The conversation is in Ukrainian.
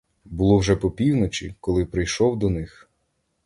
Було вже по півночі, коли прийшов до них.